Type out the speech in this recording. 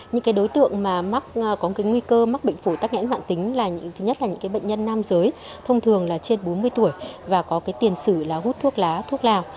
những đối tượng có nguy cơ mắc bệnh phổi tắc nghẽn mạng tính là những bệnh nhân nam giới thông thường là trên bốn mươi tuổi và có tiền sử là hút thuốc lá thuốc lào